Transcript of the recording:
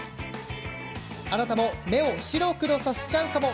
あなたも目を白黒させちゃうかも？